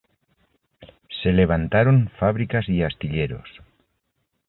Se levantaron fábricas y astilleros.